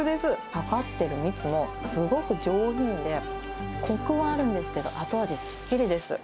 かかってる蜜もすごく上品で、こくはあるんですけど、後味すっきりです。